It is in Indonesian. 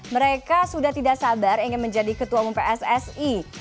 mereka sudah tidak sabar ingin menjadi ketua umum pssi